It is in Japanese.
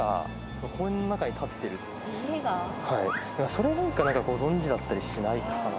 それ何かご存じだったりしないかな。